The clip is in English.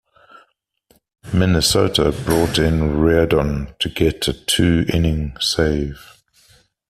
Minnesota brought in Reardon to get a two-inning save.